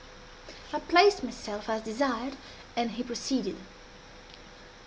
I placed myself as desired, and he proceeded.